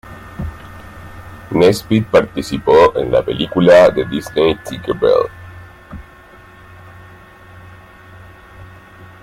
Nesbitt participó en la película de Disney Tinker Bell.